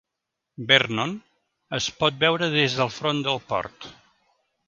Vernon, es pot veure des del front del port.